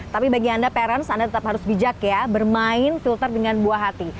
tapi bagi anda parents anda tetap harus bijak ya bermain filter dengan buah hati